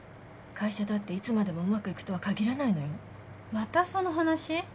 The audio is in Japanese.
会社だっていつまでもうまくいくとは限らないのよまたその話？